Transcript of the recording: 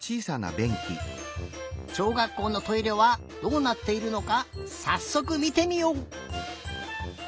しょうがっこうのトイレはどうなっているのかさっそくみてみよう！